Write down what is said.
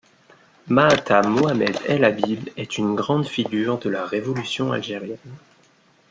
Maâta Mohamed El Habib est une grande figure de la révolution algérienne.